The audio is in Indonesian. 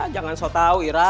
jangan sotau ira